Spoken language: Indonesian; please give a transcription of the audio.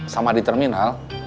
sama di terminal